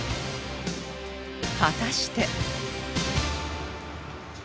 果たして